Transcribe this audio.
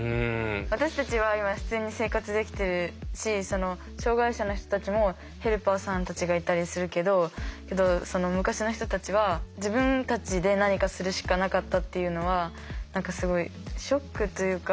私たちは今普通に生活できてるし障害者の人たちもヘルパーさんたちがいたりするけど昔の人たちは自分たちで何かするしかなかったっていうのは何かすごいショックというか。